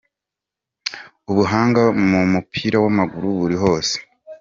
"Ubuhanga mu mupira w'amaguru buri hose.